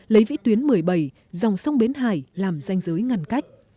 lấy vĩ tuyến một mươi bảy dòng sông bến hải làm danh giới ngăn cách